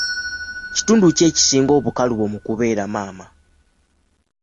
Kitundu ki ekisinga obukalubo mu kubeeramaama?